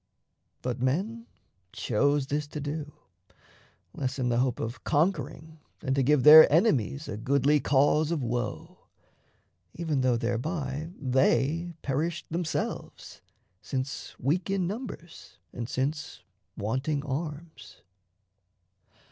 But men chose this to do Less in the hope of conquering than to give Their enemies a goodly cause of woe, Even though thereby they perished themselves, Since weak in numbers and since wanting arms.